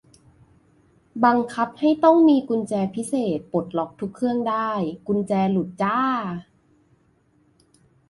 บังคับให้ต้องมีกุญแจพิเศษปลดล็อกทุกเครื่องได้ กุญแจหลุดจ้า